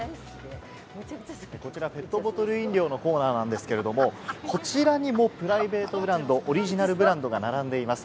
こちらペットボトル飲料のコーナーなんですけれども、こちらにもプライベートブランド、オリジナルブランドが並んでいます。